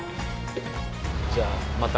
じゃあまた。